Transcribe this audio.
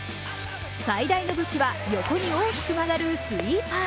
最大の武器は、横に大きく曲がるスイーパー。